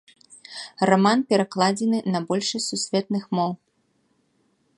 Раман перакладзены на большасць сусветных моў.